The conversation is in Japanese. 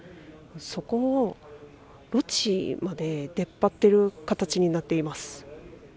そこも路地まで出っ張っている形になります。